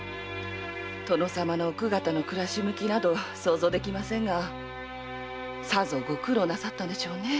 殿様の奥方の暮らし向きなど想像できませんがさぞご苦労なさったんでしょうね。